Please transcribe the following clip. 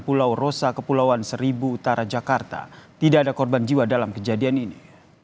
pulau rosa kepulauan seribu utara jakarta tidak ada korban jiwa dalam kejadian ini